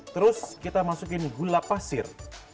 terus kita masukin gula pasir